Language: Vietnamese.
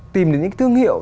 tìm được những thương hiệu